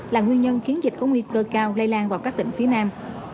là nguyên nhân khiến dịch có nguy cơ cao lây lan vào các tỉnh phía nam